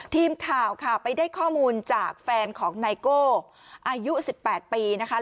ทีมข่าวค่ะไปได้ข้อมูลจากแฟนของไนโก้อายุ๑๘ปีนะคะ